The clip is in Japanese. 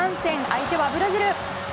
相手はブラジル。